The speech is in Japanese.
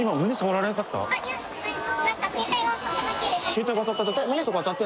携帯が当たった？